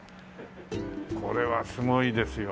これはすごいですよ。